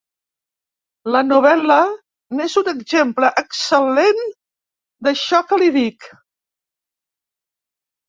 La novel·la n'és un exemple excel·lent, d'això que li dic.